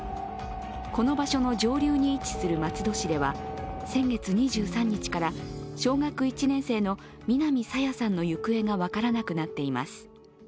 この場所の上流に位置する松戸市では先月２３日から小学１年生の南朝芽さんの行方が分からなくなっています。